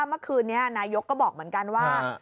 เมื่อคืนนี้นายกก็บอกเหมือนกันว่า